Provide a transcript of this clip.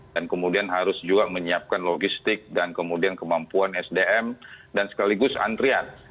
dan kemudian harus juga menyiapkan logistik dan kemudian kemampuan sdm dan sekaligus antrian